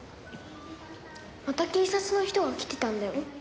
また警察の人が来てたんだよ。